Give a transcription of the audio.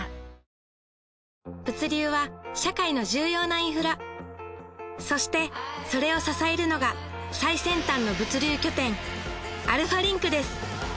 物流は社会の重要なインフラそしてそれを支えるのが最先端の物流拠点アルファリンクです